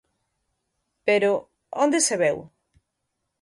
Pero, ¿onde se veu?